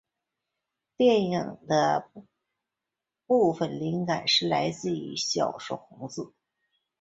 电影的部份灵感是来自小说红字。